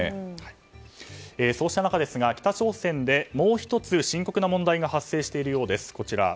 そうした中、北朝鮮でもう１つ深刻な問題が発生しているようです。